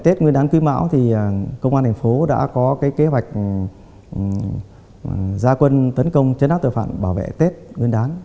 tết nguyên đán quý mão công an tp đã có kế hoạch gia quân tấn công chấn áp tội phạm bảo vệ tết nguyên đán